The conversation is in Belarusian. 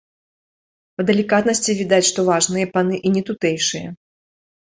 Па далікатнасці відаць, што важныя паны і не тутэйшыя.